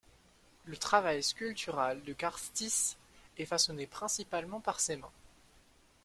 Le travail sculptural de Karstieß est façonné principalement par ses mains.